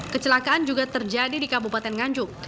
kecelakaan juga terjadi di kabupaten nganjuk